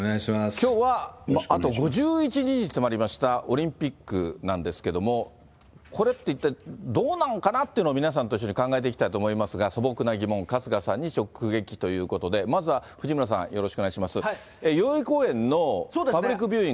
きょうは、あと５１日に迫りました、オリンピックなんですけども、これって一体、どうなのかなっていうのを、皆さんと一緒に考えていきたいと思いますが、素朴な疑問、春日さんに直撃ということで、まずは藤村さん、よろしくお願いします。